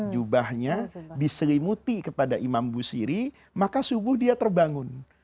jubahnya diselimuti kepada imam busiri maka subuh dia terbangun